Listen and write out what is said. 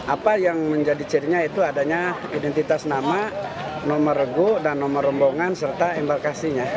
apa yang menjadi cirinya itu adanya identitas nama nomor regu dan nomor rombongan serta embarkasinya